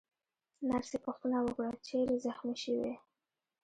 نرسې پوښتنه وکړه: چیرې زخمي شوې؟